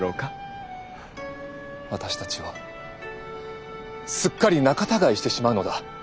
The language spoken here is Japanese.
私たちはすっかり仲たがいしてしまうのだ。